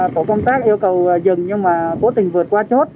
tổ công tác yêu cầu dừng nhưng mà cố tình vượt qua chốt